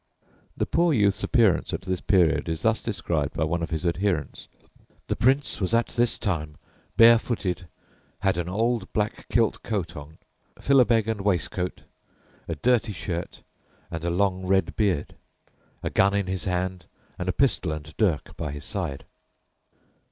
The poor youth's appearance at this period is thus described by one of his adherents: "The Prince was at this time bare footed, had an old black kilt coat on, philabeg and waistcoat, a dirty shirt, and a long red beard, a gun in his hand, and a pistol and dirk by his side."